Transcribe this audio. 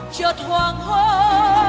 chợt hoàng hôn